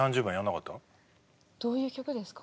どういう曲ですか？